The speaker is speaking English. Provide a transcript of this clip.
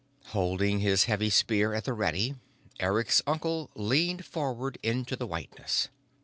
Holding his heavy spear at the ready, Eric's uncle leaned forward into the whiteness.